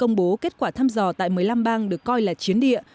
công bố kết quả thăm dò tại một mươi năm bang được coi là chiến địa